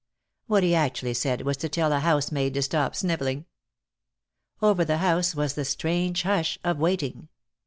What he actually said was to tell a house maid to stop sniveling. Over the house was the strange hush of waiting.